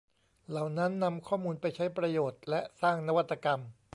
เหล่านั้นนำข้อมูลไปใช้ประโยชน์และสร้างนวัตกรรม